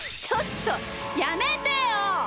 ちょっとやめてよ！